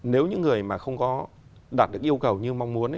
nếu những người mà không có đạt được yêu cầu như mong muốn